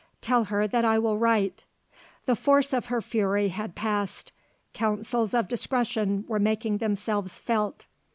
Tell her that I will write." The force of her fury had passed; counsels of discretion were making themselves felt.